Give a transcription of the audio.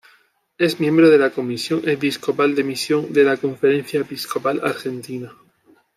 Es miembro de la Comisión Episcopal de Misión de la Conferencia Episcopal Argentina.